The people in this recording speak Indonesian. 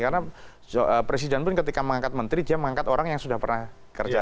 karena presiden pun ketika mengangkat menteri dia mengangkat orang yang sudah pernah kerja